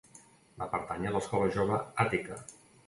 Va pertànyer a l'escola jove àtica.